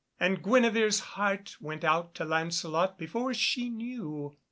And Guenevere's heart went out to Lancelot before she knew.